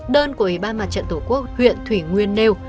đơn của ủy ban mặt trận tổ quốc huyện thủy nguyên nêu